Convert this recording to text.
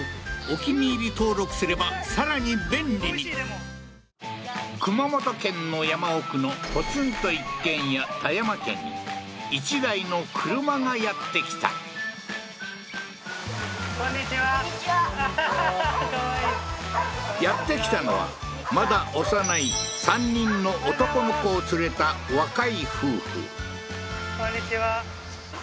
本麒麟熊本県の山奥のポツンと一軒家田山家に１台の車がやって来たははははっかわいいやって来たのはまだ幼い３人の男の子を連れた若い夫婦こんにちは